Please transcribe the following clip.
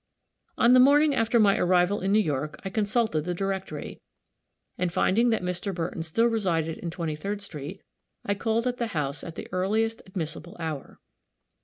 On the morning after my arrival in New York, I consulted the directory, and finding that Mr. Burton still resided in Twenty third street, I called at the house at the earliest admissible hour.